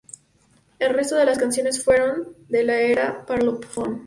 El resto de las canciones fueron de la era Parlophone.